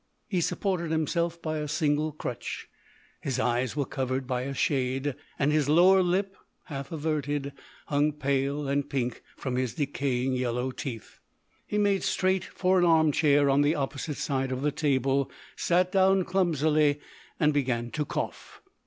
He supported himself by a single crutch, his eyes were covered by a shade, and his lower lip, half averted, hung pale and pink from his decaying yellow teeth. He made straight for an arm chair on the opposite side of the table, sat down clumsily, and began to cough.